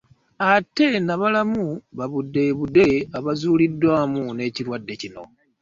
Ate n'abalamu babudeebude abazuuliddwamu n'ekirwadde kino